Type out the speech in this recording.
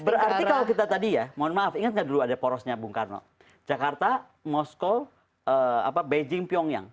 berarti kalau kita tadi ya mohon maaf ingat dulu ada porosnya bung karno jakarta moskow apa beijing pyongyang